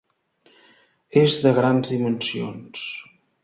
És de grans dimensions.